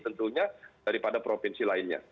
tentunya daripada provinsi lainnya